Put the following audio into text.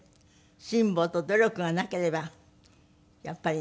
辛抱と努力がなければやっぱりね